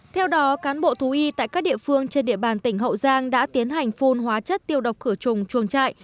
theo đó cán bộ thú y tại các địa phương trên địa bàn tỉnh hậu giang đã tiến hành phun hóa chất tiêu độc khử trùng chuồng trại